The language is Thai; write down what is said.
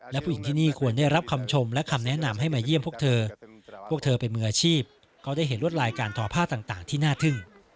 และผู้หญิงที่นี่ควรได้รับคำชมและคำแนะนำให้มาเยี่ยมพวกเธอพวกเธอเป็นมืออาชีพเขาได้เห็นรวดลายการทอผ้าต่างที่น่าทึ่ง